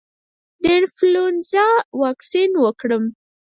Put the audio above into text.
د انفلونزا واکسین وکړم؟